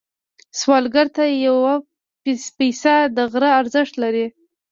سوالګر ته یو پيسه د غره ارزښت لري